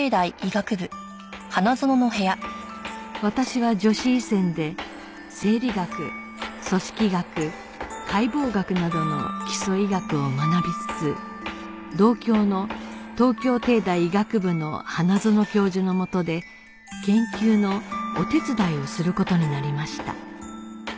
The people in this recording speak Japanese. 私は女子医専で生理学組織学解剖学などの基礎医学を学びつつ同郷の東京帝大医学部の花園教授のもとで研究のお手伝いをする事になりました